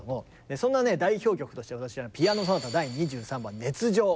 そんなねぇ代表曲として私はピアノ・ソナタ第２３番「熱情」。